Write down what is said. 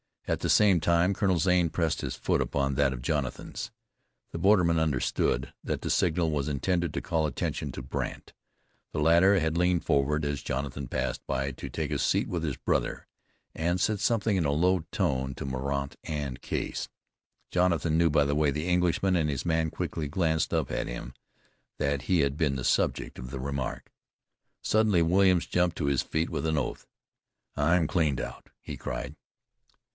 At the same time Colonel Zane pressed his foot upon that of Jonathan's. The borderman understood that the signal was intended to call attention to Brandt. The latter had leaned forward, as Jonathan passed by to take a seat with his brother, and said something in a low tone to Mordaunt and Case. Jonathan knew by the way the Englishman and his man quickly glanced up at him, that he had been the subject of the remark. Suddenly Williams jumped to his feet with an oath. "I'm cleaned out," he cried.